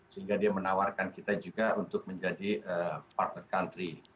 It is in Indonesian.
sehingga dia menawarkan kita juga untuk menjadi partner country